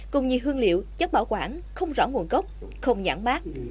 cùng nhiều hương liệu chất bảo quản không rõ nguồn gốc không nhãn mát